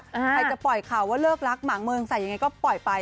ใครจะปล่อยข่าวว่าเลิกรักหมางเมืองใส่ยังไงก็ปล่อยไป